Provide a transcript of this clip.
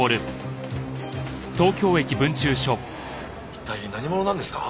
一体何者なんですか？